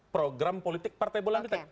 program politik partai bulan kita